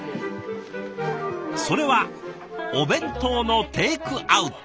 それはお弁当のテイクアウト。